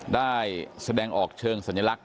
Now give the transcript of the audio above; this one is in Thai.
ได้แสดงออกเชิงสัญลักษณ